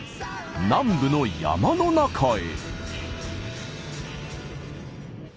南部の山の中へ。